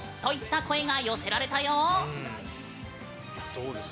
どうです？